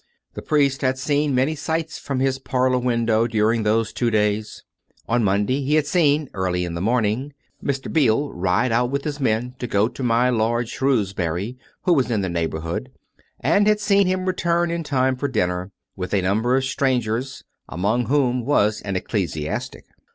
The priest had seen many sights from his parlour win dow during those two days. On Monday he had seen, early in the morning, Mr. Beale ride out with his men to go to my lord Shrewsbury, who was in the neighbourhood, and had seen him return in time for dinner, with a number of strangers, among whom was an ecclesiastic.